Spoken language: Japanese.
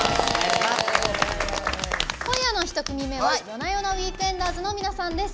今夜の１組目はＹＯＮＡＹＯＮＡＷＥＥＫＥＮＤＥＲＳの皆さんです。